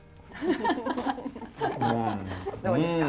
どうですか？